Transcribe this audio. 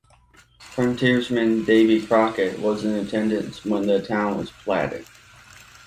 Frontiersman Davy Crockett was in attendance when the town was platted.